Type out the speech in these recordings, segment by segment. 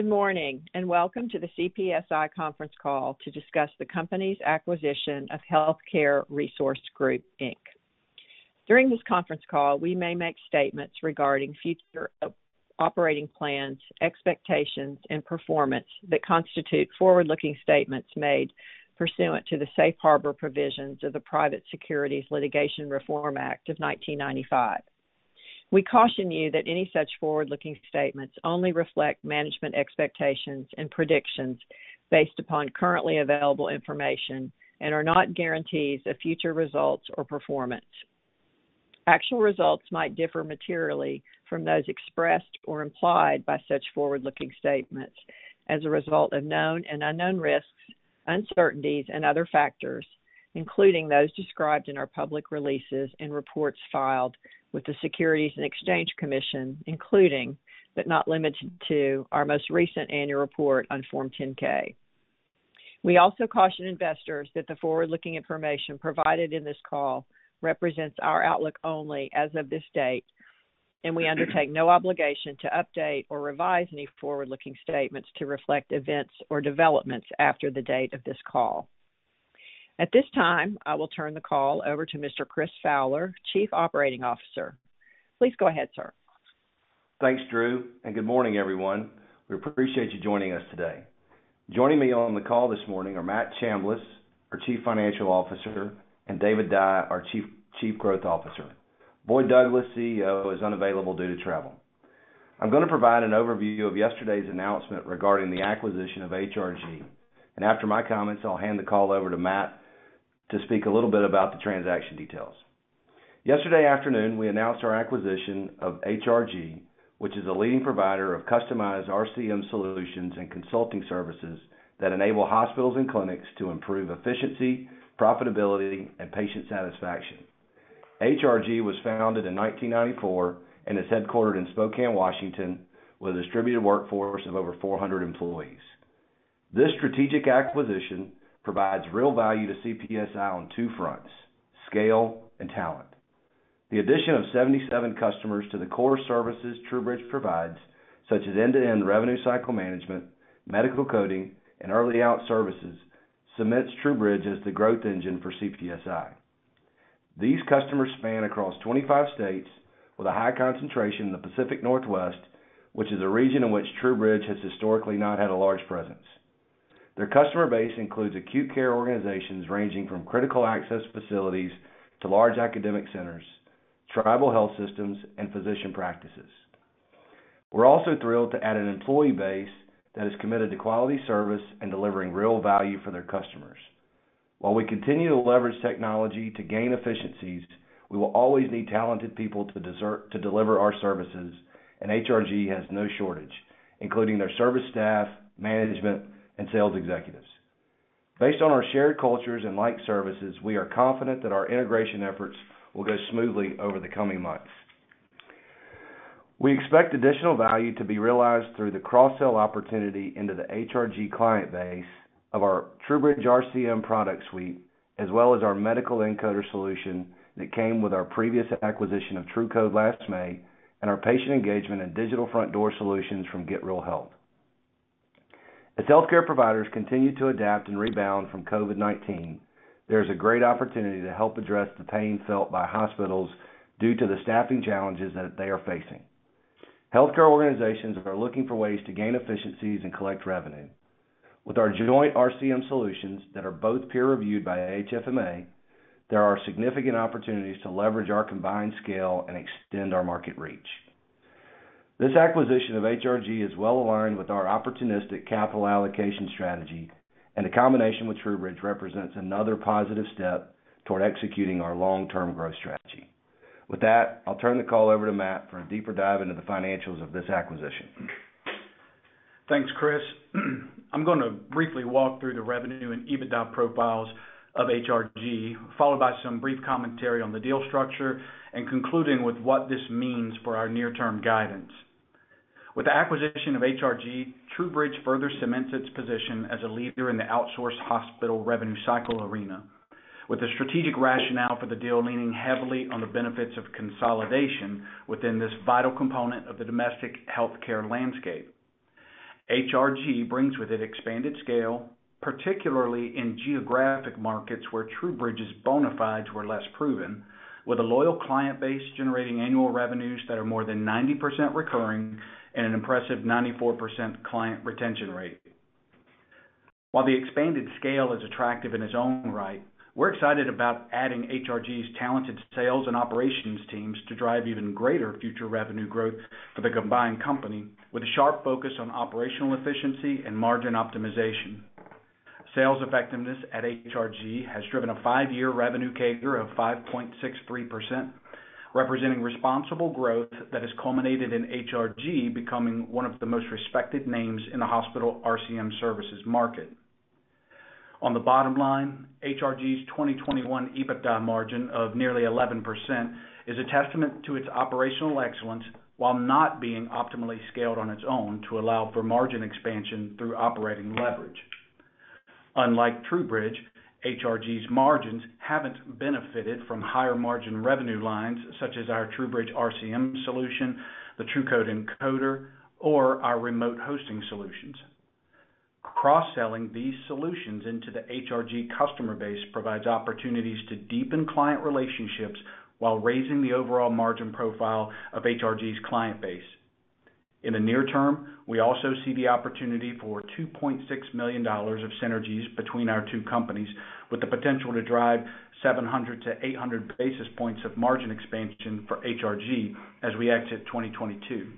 Good morning, and welcome to the CPSI conference call to discuss the company's acquisition of Healthcare Resource Group, Inc. During this conference call, we may make statements regarding future operating plans, expectations and performance that constitute forward-looking statements made pursuant to the Safe Harbor provisions of the Private Securities Litigation Reform Act of 1995. We caution you that any such forward-looking statements only reflect management expectations and predictions based upon currently available information and are not guarantees of future results or performance. Actual results might differ materially from those expressed or implied by such forward-looking statements as a result of known and unknown risks, uncertainties and other factors, including those described in our public releases and reports filed with the Securities and Exchange Commission, including, but not limited to, our most recent annual report on Form 10-K. We also caution investors that the forward-looking information provided in this call represents our outlook only as of this date, and we undertake no obligation to update or revise any forward-looking statements to reflect events or developments after the date of this call. At this time, I will turn the call over to Mr. Chris Fowler, Chief Operating Officer. Please go ahead, sir. Thanks, Dru, and good morning, everyone. We appreciate you joining us today. Joining me on the call this morning are Matt Chambliss, our Chief Financial Officer, and David Dye, our Chief Growth Officer. Boyd Douglas, CEO, is unavailable due to travel. I'm gonna provide an overview of yesterday's announcement regarding the acquisition of HRG, and after my comments, I'll hand the call over to Matt to speak a little bit about the transaction details. Yesterday afternoon, we announced our acquisition of HRG, which is a leading provider of customized RCM solutions and consulting services that enable hospitals and clinics to improve efficiency, profitability, and patient satisfaction. HRG was founded in 1994 and is headquartered in Spokane, Washington, with a distributed workforce of over 400 employees. This strategic acquisition provides real value to CPSI on two fronts, scale and talent. The addition of 77 customers to the core services TruBridge provides, such as end-to-end revenue cycle management, medical coding and early out services, cements TruBridge as the growth engine for CPSI. These customers span across 25 states with a high concentration in the Pacific Northwest, which is a region in which TruBridge has historically not had a large presence. Their customer base includes acute care organizations ranging from critical access facilities to large academic centers, tribal health systems, and physician practices. We're also thrilled to add an employee base that is committed to quality service and delivering real value for their customers. While we continue to leverage technology to gain efficiencies, we will always need talented people to deliver our services, and HRG has no shortage, including their service staff, management, and sales executives. Based on our shared cultures and like services, we are confident that our integration efforts will go smoothly over the coming months. We expect additional value to be realized through the cross-sell opportunity into the HRG client base of our TruBridge RCM product suite, as well as our medical encoder solution that came with our previous acquisition of TruCode last May and our patient engagement and digital front door solutions from Get Real Health. As healthcare providers continue to adapt and rebound from COVID-19, there's a great opportunity to help address the pain felt by hospitals due to the staffing challenges that they are facing. Healthcare organizations are looking for ways to gain efficiencies and collect revenue. With our joint RCM solutions that are both peer-reviewed by HFMA, there are significant opportunities to leverage our combined scale and extend our market reach. This acquisition of HRG is well aligned with our opportunistic capital allocation strategy, and the combination with TruBridge represents another positive step toward executing our long-term growth strategy. With that, I'll turn the call over to Matt for a deeper dive into the financials of this acquisition. Thanks, Chris. I'm gonna briefly walk through the revenue and EBITDA profiles of HRG, followed by some brief commentary on the deal structure and concluding with what this means for our near-term guidance. With the acquisition of HRG, TruBridge further cements its position as a leader in the outsourced hospital revenue cycle arena, with the strategic rationale for the deal leaning heavily on the benefits of consolidation within this vital component of the domestic healthcare landscape. HRG brings with it expanded scale, particularly in geographic markets where TruBridge's bona fides were less proven, with a loyal client base generating annual revenues that are more than 90% recurring and an impressive 94% client retention rate. While the expanded scale is attractive in its own right, we're excited about adding HRG's talented sales and operations teams to drive even greater future revenue growth for the combined company with a sharp focus on operational efficiency and margin optimization. Sales effectiveness at HRG has driven a five-year revenue CAGR of 5.63%, representing responsible growth that has culminated in HRG becoming one of the most respected names in the hospital RCM services market. On the bottom line, HRG's 2021 EBITDA margin of nearly 11% is a testament to its operational excellence while not being optimally scaled on its own to allow for margin expansion through operating leverage. Unlike TruBridge, HRG's margins haven't benefited from higher margin revenue lines such as our TruBridge RCM solution, the TruBridge Encoder, or our remote hosting solutions. Cross-selling these solutions into the HRG customer base provides opportunities to deepen client relationships while raising the overall margin profile of HRG's client base. In the near term, we also see the opportunity for $2.6 million of synergies between our two companies, with the potential to drive 700-800 basis points of margin expansion for HRG as we exit 2022.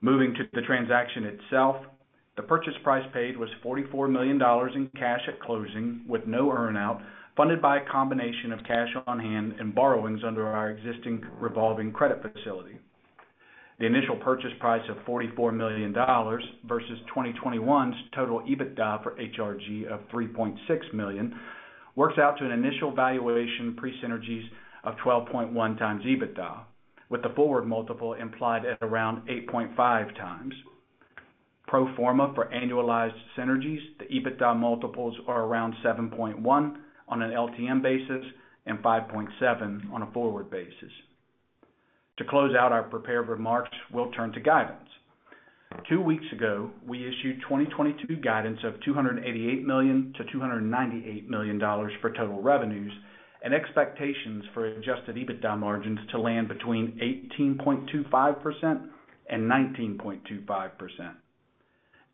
Moving to the transaction itself, the purchase price paid was $44 million in cash at closing with no earn-out, funded by a combination of cash on hand and borrowings under our existing revolving credit facility. The initial purchase price of $44 million versus 2021's total EBITDA for HRG of $3.6 million works out to an initial valuation pre-synergies of 12.1x EBITDA, with the forward multiple implied at around 8.5x. Pro forma for annualized synergies, the EBITDA multiples are around 7.1 on an LTM basis and 5.7 on a forward basis. To close out our prepared remarks, we'll turn to guidance. Two weeks ago, we issued 2022 guidance of $288 million-$298 million for total revenues and expectations for Adjusted EBITDA margins to land between 18.25% and 19.25%.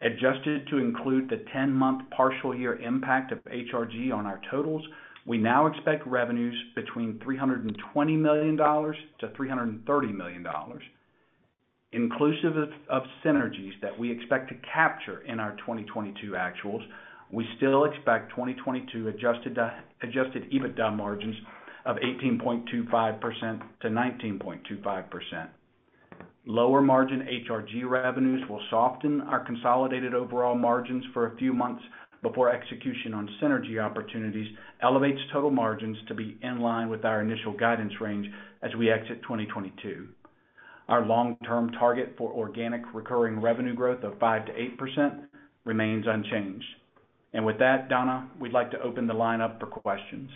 Adjusted to include the 10-month partial year impact of HRG on our totals, we now expect revenues between $320 million and $330 million. Inclusive of synergies that we expect to capture in our 2022 actuals, we still expect 2022 Adjusted EBITDA margins of 18.25% to 19.25%. Lower margin HRG revenues will soften our consolidated overall margins for a few months before execution on synergy opportunities elevates total margins to be in line with our initial guidance range as we exit 2022. Our long-term target for organic recurring revenue growth of 5%-8% remains unchanged. With that, Donna, we'd like to open the line up for questions.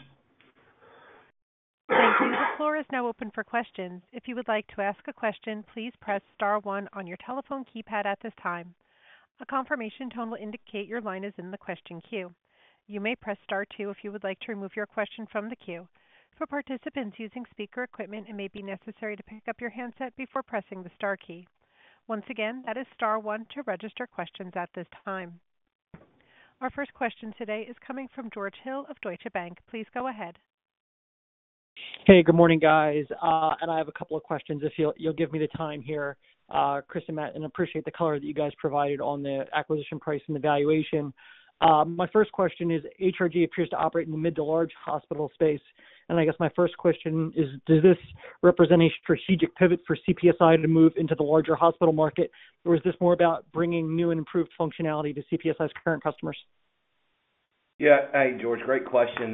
Thank you. The floor is now open for questions. If you would like to ask a question, please press star one on your telephone keypad at this time. A confirmation tone will indicate your line is in the question queue. You may press star two if you would like to remove your question from the queue. For participants using speaker equipment, it may be necessary to pick up your handset before pressing the star key. Once again, that is star one to register questions at this time. Our first question today is coming from George Hill of Deutsche Bank. Please go ahead. Hey, good morning, guys. I have a couple of questions if you'll give me the time here, Chris and Matt. I appreciate the color that you guys provided on the acquisition price and the valuation. My first question is HRG appears to operate in the mid- to large hospital space. Does this represent a strategic pivot for CPSI to move into the larger hospital market, or is this more about bringing new and improved functionality to CPSI's current customers? Yeah. Hey, George, great question.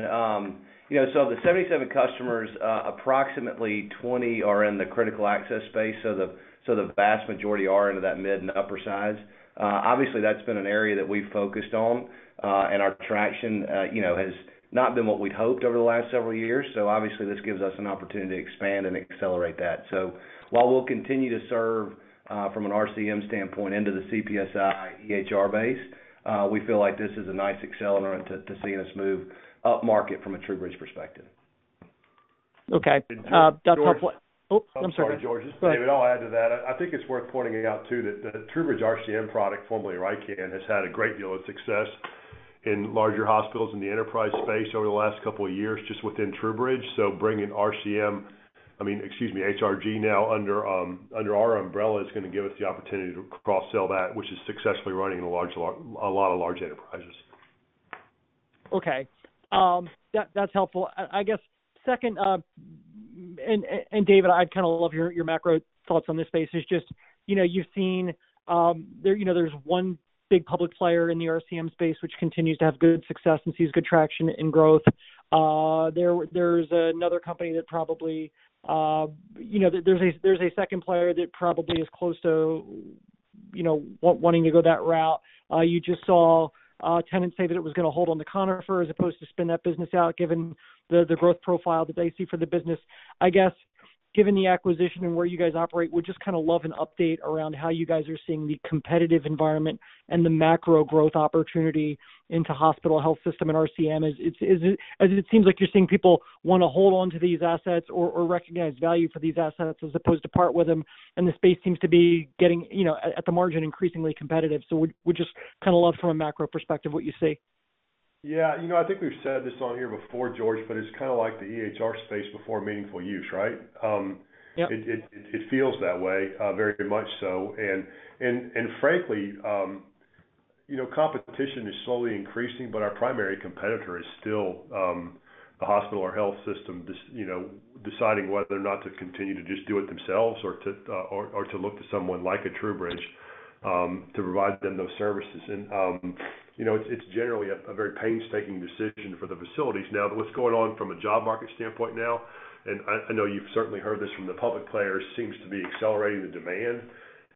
You know, so of the 77 customers, approximately 20 are in the critical access space, so the vast majority are into that mid and upper size. Obviously, that's been an area that we've focused on, and our traction, you know, has not been what we'd hoped over the last several years. Obviously, this gives us an opportunity to expand and accelerate that. While we'll continue to serve, from an RCM standpoint into the CPSI EHR base, we feel like this is a nice accelerant to seeing us move upmarket from a TruBridge perspective. Okay. That's helpful. George- Oh, I'm sorry. I'm sorry, George. Go ahead. It's David. I'll add to that. I think it's worth pointing out too that the TruBridge RCM product, formerly Rycan, has had a great deal of success in larger hospitals in the enterprise space over the last couple of years just within TruBridge. Bringing RCM, I mean, excuse me, HRG now under our umbrella is gonna give us the opportunity to cross-sell that, which is successfully running in a lot of large enterprises. Okay. That's helpful. I guess second, and David, I'd kinda love your macro thoughts on this space. It's just, you know, you've seen, you know, there's one big public player in the RCM space which continues to have good success and sees good traction and growth. There's another company that probably, you know, there's a second player that probably is close to, you know, wanting to go that route. You just saw Tenet say that it was gonna hold on to Conifer as opposed to spin that business out, given the growth profile that they see for the business. I guess, given the acquisition and where you guys operate, would just kinda love an update around how you guys are seeing the competitive environment and the macro growth opportunity into hospital health system and RCM. Is it as it seems like you're seeing people wanna hold on to these assets or recognize value for these assets as opposed to part with them, and the space seems to be getting, you know, at the margin, increasingly competitive. Would just kinda love from a macro perspective what you see. Yeah. You know, I think we've said this on here before, George, but it's kinda like the EHR space before Meaningful Use, right? Yep. It feels that way, very much so. Frankly, you know, competition is slowly increasing, but our primary competitor is still the hospital or health system you know, deciding whether or not to continue to just do it themselves or to look to someone like a TruBridge to provide them those services. You know, it's generally a very painstaking decision for the facilities. What's going on from a job market standpoint now, and I know you've certainly heard this from the public players, seems to be accelerating the demand,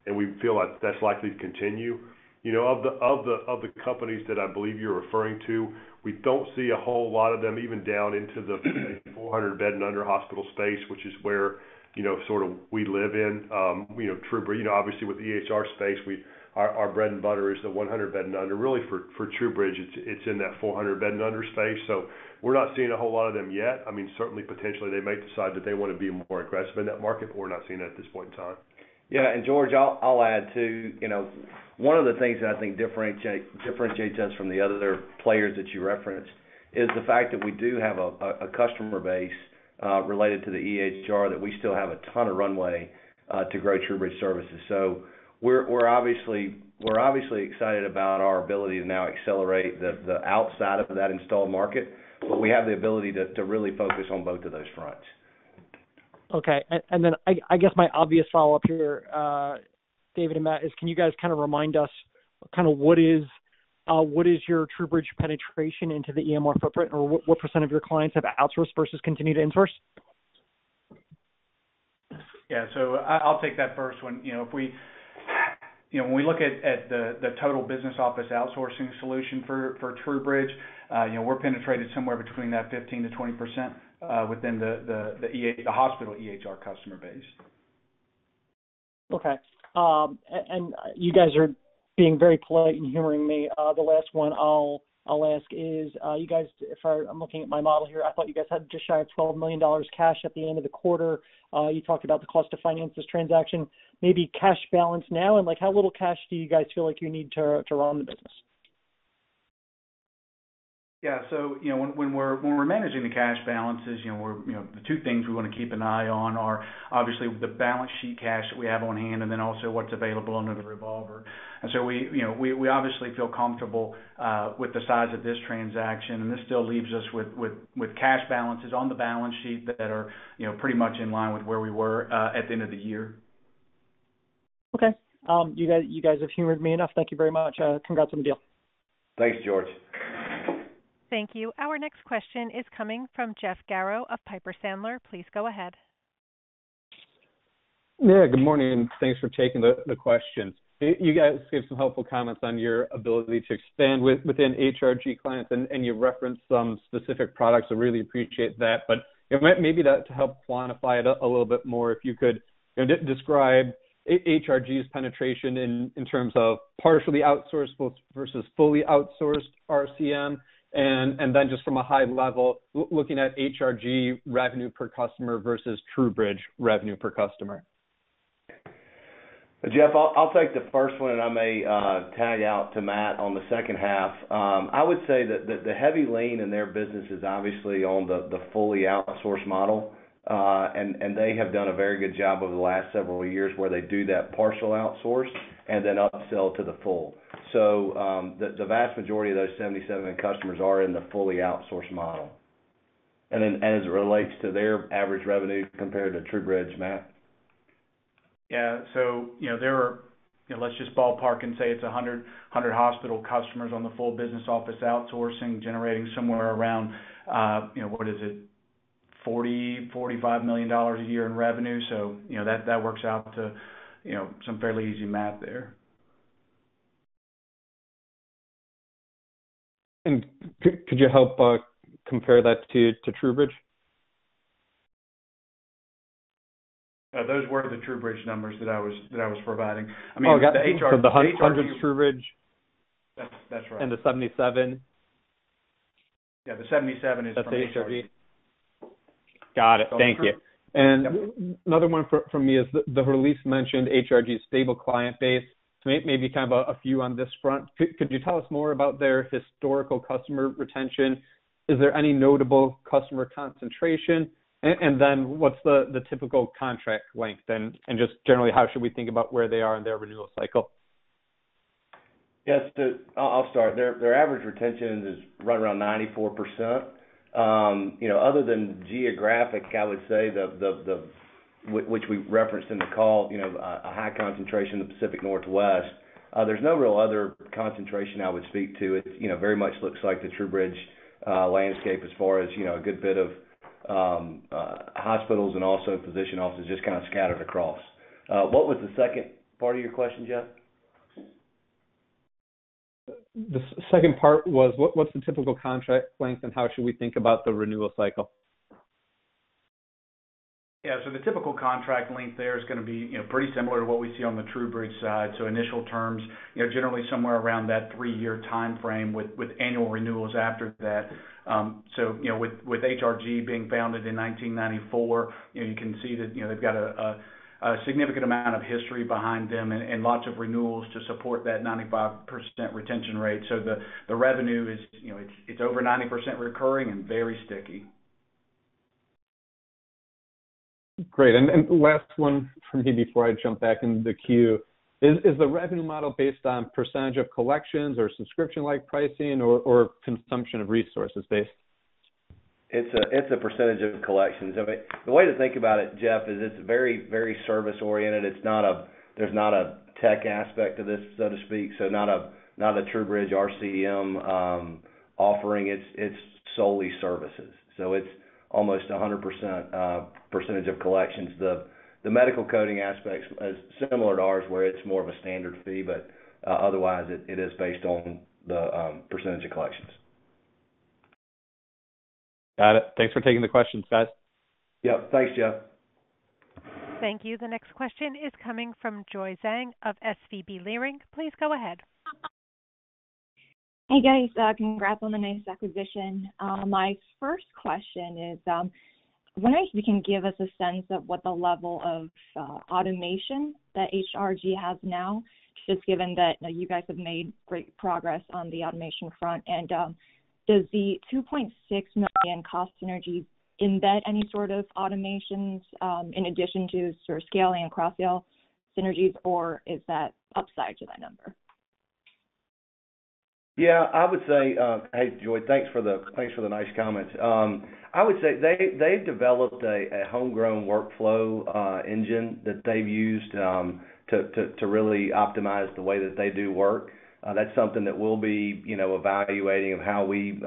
and we feel like that's likely to continue. You know, of the companies that I believe you're referring to, we don't see a whole lot of them even down into the 400-bed and under hospital space, which is where, you know, sort of we live in. You know, TruBridge, you know, obviously with the EHR space, our bread and butter is the 100-bed and under. Really for TruBridge, it's in that 400-bed and under space. So we're not seeing a whole lot of them yet. I mean, certainly potentially they may decide that they wanna be more aggressive in that market, but we're not seeing it at this point in time. Yeah, George, I'll add, too. You know, one of the things that I think differentiates us from the other players that you referenced is the fact that we do have a customer base related to the EHR that we still have a ton of runway to grow TruBridge services. So we're obviously excited about our ability to now accelerate the outside of that installed market, but we have the ability to really focus on both of those fronts. Okay. Then I guess my obvious follow-up here, David and Matt, is can you guys kinda remind us kinda what is your TruBridge penetration into the EMR footprint, or what % of your clients have outsourced versus continued to in-source? Yeah. I'll take that first one. You know, if we, you know, when we look at the total business office outsourcing solution for TruBridge, you know, we're penetrated somewhere between 15%-20% within the hospital EHR customer base. Okay. You guys are being very polite in humoring me. The last one I'll ask is, you guys, I'm looking at my model here. I thought you guys had just shy of $12 million cash at the end of the quarter. You talked about the cost to finance this transaction. Maybe cash balance now and, like, how little cash do you guys feel like you need to run the business? Yeah. You know, when we're managing the cash balances, you know, the two things we wanna keep an eye on are obviously the balance sheet cash that we have on hand and then also what's available under the revolver. We, you know, obviously feel comfortable with the size of this transaction, and this still leaves us with cash balances on the balance sheet that are, you know, pretty much in line with where we were at the end of the year. Okay. You guys have humored me enough. Thank you very much. Congrats on the deal. Thanks, George. Thank you. Our next question is coming from Jeff Garro of Piper Sandler. Please go ahead. Yeah, good morning, and thanks for taking the questions. You guys gave some helpful comments on your ability to expand within HRG clients, and you referenced some specific products. I really appreciate that. But maybe to help quantify it a little bit more, if you could, you know, describe HRG's penetration in terms of partially outsourced versus fully outsourced RCM, and then just from a high level, looking at HRG revenue per customer versus TruBridge revenue per customer. Jeff, I'll take the first one, and I may tag out to Matt on the second half. I would say that the heavy lean in their business is obviously on the fully outsourced model. They have done a very good job over the last several years where they do that partial outsource and then upsell to the full. The vast majority of those 77 customers are in the fully outsourced model. Then as it relates to their average revenue compared to TruBridge, Matt? Yeah. You know, there are, you know, let's just ballpark and say it's 100 hospital customers on the full business office outsourcing, generating somewhere around, you know, what is it? $40 million-$45 million a year in revenue. You know, that works out to, you know, some fairly easy math there. Could you help compare that to TruBridge? Those were the TruBridge numbers that I was providing. I mean, the HR- Oh, got it. The 100's TruBridge. That's right. the 77 Yeah, the 77 is from HRG. That's HRG. Got it. Thank you. Yep. Another one from me is the release mentioned HRG's stable client base. Maybe a few on this front. Could you tell us more about their historical customer retention? Is there any notable customer concentration? Then what's the typical contract length, and just generally, how should we think about where they are in their renewal cycle? Yes. I'll start. Their average retention is right around 94%. You know, other than geographic, I would say which we referenced in the call, you know, a high concentration in the Pacific Northwest, there's no real other concentration I would speak to. It, you know, very much looks like the TruBridge landscape as far as, you know, a good bit of hospitals and also physician offices just kinda scattered across. What was the second part of your question, Jeff? The second part was what's the typical contract length, and how should we think about the renewal cycle? Yeah. The typical contract length there is gonna be, you know, pretty similar to what we see on the TruBridge side. Initial terms, you know, generally somewhere around that three-year timeframe with annual renewals after that. You know, with HRG being founded in 1994, you know, you can see that, you know, they've got a significant amount of history behind them and lots of renewals to support that 95% retention rate. The revenue is, you know, it's over 90% recurring and very sticky. Great. Last one from me before I jump back in the queue. Is the revenue model based on percentage of collections or subscription-like pricing or consumption of resources based? It's a percentage of collections. I mean, the way to think about it, Jeff, is it's very, very service-oriented. It's not a tech aspect to this, so to speak. Not a TruBridge RCM offering. It's solely services. It's almost 100% percentage of collections. The medical coding aspects is similar to ours, where it's more of a standard fee, but otherwise it is based on the percentage of collections. Got it. Thanks for taking the questions, guys. Yep. Thanks, Jeff. Thank you. The next question is coming from Joy Zhang of SVB Leerink. Please go ahead. Hey, guys. Congrats on the nice acquisition. My first question is wondering if you can give us a sense of what the level of automation that HRG has now, just given that, you know, you guys have made great progress on the automation front. Does the $2.6 million cost synergy embed any sort of automations in addition to sort of scaling and cross-sell synergies, or is that upside to that number? Yeah, I would say. Hey, Joy, thanks for the nice comments. I would say they've developed a homegrown workflow engine that they've used to really optimize the way that they do work. That's something that we'll be, you know, evaluating of how we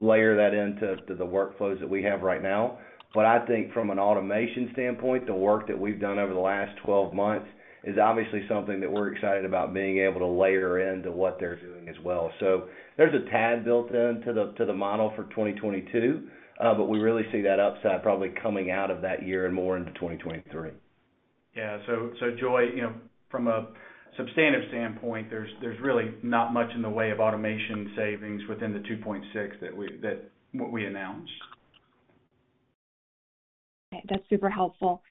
layer that into the workflows that we have right now. But I think from an automation standpoint, the work that we've done over the last 12 months is obviously something that we're excited about being able to layer into what they're doing as well. There's a tad built into the model for 2022, but we really see that upside probably coming out of that year and more into 2023. Yeah. Joy, you know, from a substantive standpoint, there's really not much in the way of automation savings within the $2.6 million that—what we announced. That's super helpful.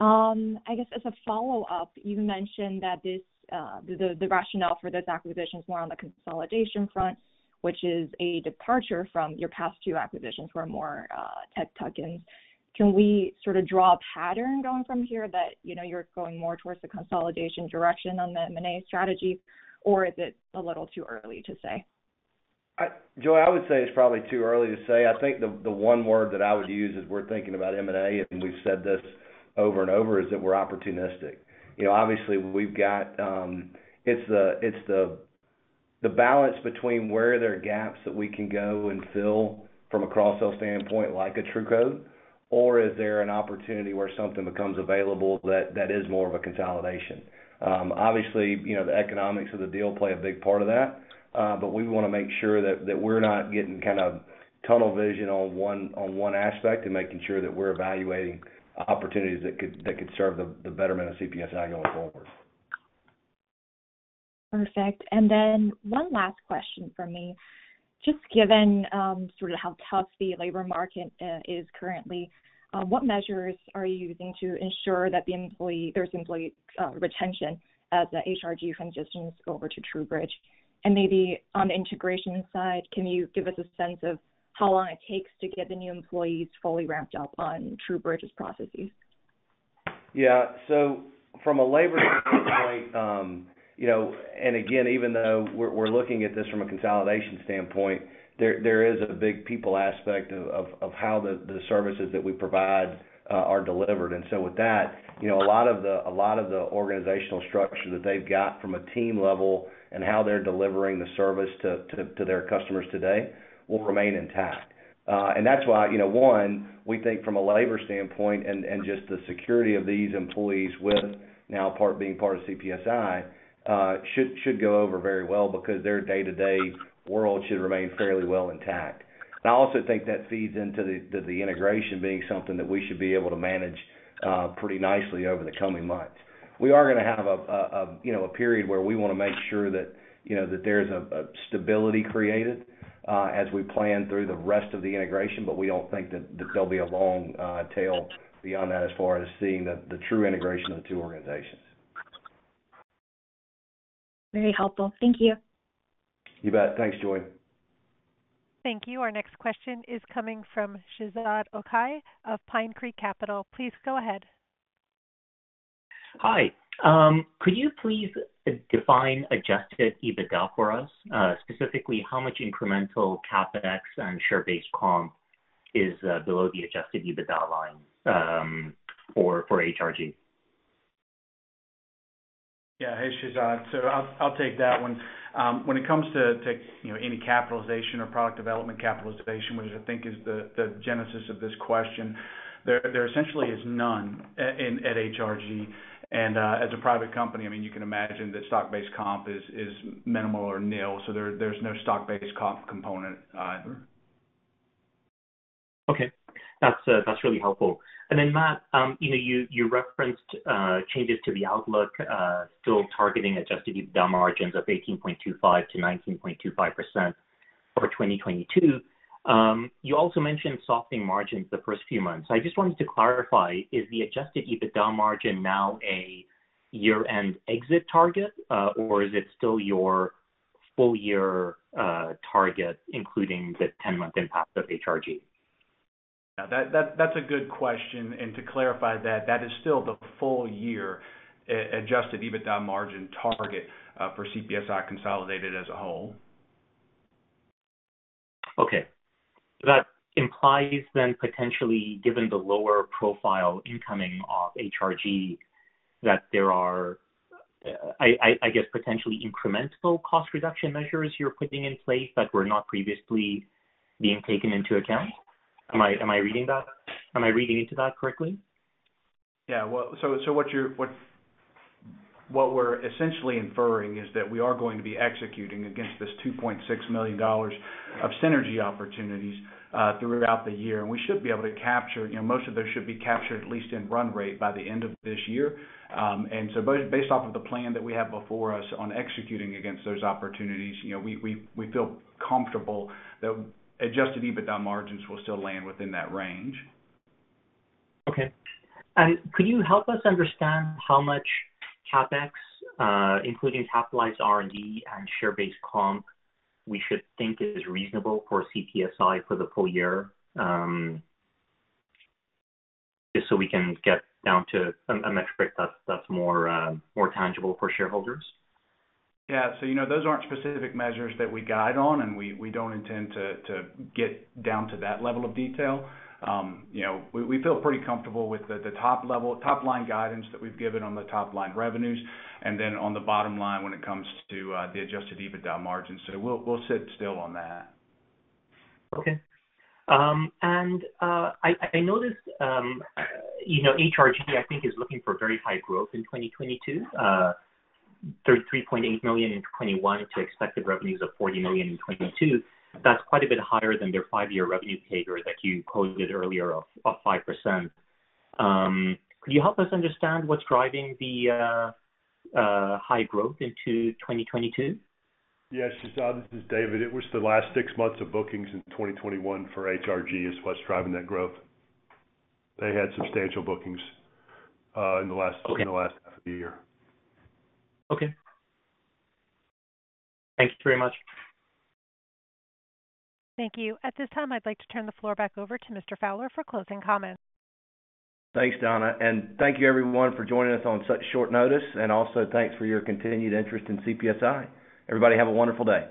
I guess as a follow-up, you mentioned that this, the rationale for this acquisition is more on the consolidation front, which is a departure from your past two acquisitions were more, tech tuck-ins. Can we sort of draw a pattern going from here that, you know, you're going more towards the consolidation direction on the M&A strategy, or is it a little too early to say? Joy, I would say it's probably too early to say. I think the one word that I would use as we're thinking about M&A, and we've said this over and over, is that we're opportunistic. You know, obviously, it's the balance between where there are gaps that we can go and fill from a cross-sell standpoint like a TruCode, or is there an opportunity where something becomes available that is more of a consolidation. Obviously, you know, the economics of the deal play a big part of that, but we wanna make sure that we're not getting kind of tunnel vision on one aspect, and making sure that we're evaluating opportunities that could serve the betterment of CPSI going forward. Perfect. One last question from me. Just given sort of how tough the labor market is currently, what measures are you using to ensure that there's employee retention as the HRG transitions over to TruBridge? Maybe on the integration side, can you give us a sense of how long it takes to get the new employees fully ramped up on TruBridge's processes? Yeah. From a labor standpoint, you know, and again, even though we're looking at this from a consolidation standpoint, there is a big people aspect of how the services that we provide are delivered. With that, you know, a lot of the organizational structure that they've got from a team level and how they're delivering the service to their customers today will remain intact. That's why, you know, one, we think from a labor standpoint and just the security of these employees with now being part of CPSI should go over very well because their day-to-day world should remain fairly well intact. I also think that feeds into the integration being something that we should be able to manage pretty nicely over the coming months. We are gonna have a, you know, a period where we wanna make sure that, you know, that there's a stability created, as we plan through the rest of the integration, but we don't think that there'll be a long tail beyond that as far as seeing the true integration of the two organizations. Very helpful. Thank you. You bet. Thanks, Joy. Thank you. Our next question is coming from Shehzad Ochai of Pine Creek Capital. Please go ahead. Hi. Could you please define Adjusted EBITDA for us? Specifically, how much incremental CapEx and share-based comp is below the Adjusted EBITDA line for HRG? Yeah. Hey, Shehzad. I'll take that one. When it comes to you know, any capitalization or product development capitalization, which I think is the genesis of this question, there essentially is none at HRG. As a private company, I mean, you can imagine that stock-based comp is minimal or nil, so there's no stock-based comp component either. Okay. That's really helpful. Then Matt, you referenced changes to the outlook, still targeting Adjusted EBITDA margins of 18.25%-19.25% for 2022. You also mentioned softening margins the first few months. I just wanted to clarify, is the Adjusted EBITDA margin now a year-end exit target, or is it still your full year target, including the 10-month impact of HRG? Now that's a good question, and to clarify, that is still the full year Adjusted EBITDA margin target for CPSI consolidated as a whole. Okay. That implies potentially, given the lower profile incoming of HRG, that there are, I guess, potentially incremental cost reduction measures you're putting in place that were not previously being taken into account. Am I reading into that correctly? Yeah. Well, what we're essentially inferring is that we are going to be executing against this $2.6 million of synergy opportunities throughout the year. We should be able to capture, you know, most of those should be captured at least in run rate by the end of this year. Based off of the plan that we have before us on executing against those opportunities, you know, we feel comfortable that Adjusted EBITDA margins will still land within that range. Okay. Could you help us understand how much CapEx, including capitalized R&D and share-based comp we should think is reasonable for CPSI for the full year? Just so we can get down to a metric that's more tangible for shareholders. Yeah. You know, those aren't specific measures that we guide on, and we don't intend to get down to that level of detail. You know, we feel pretty comfortable with the top level, top line guidance that we've given on the top line revenues and then on the bottom line when it comes to the Adjusted EBITDA margins. We'll sit still on that. I noticed, you know, HRG, I think, is looking for very high growth in 2022. $33.8 million in 2021 to expected revenues of $40 million in 2022. That's quite a bit higher than their five-year revenue CAGR that you quoted earlier of 5%. Could you help us understand what's driving the high growth into 2022? Yes, Shehzad. This is David. It was the last six months of bookings in 2021 for HRG is what's driving that growth. They had substantial bookings in the last- Okay. In the last half of the year. Okay. Thanks very much. Thank you. At this time, I'd like to turn the floor back over to Mr. Fowler for closing comments. Thanks, Donna. Thank you everyone for joining us on such short notice, and also thanks for your continued interest in CPSI. Everybody, have a wonderful day.